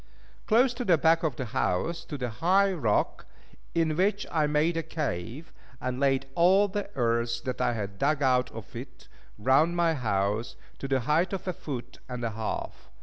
Close to the back of the house stood a high rock, in which I made a cave, and laid all the earth that I had dug out of it round my house, to the height of a foot and a half.